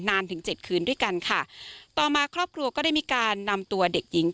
ถึงเจ็ดคืนด้วยกันค่ะต่อมาครอบครัวก็ได้มีการนำตัวเด็กหญิง